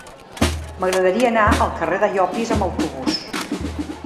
M'agradaria anar al carrer de Llopis amb autobús.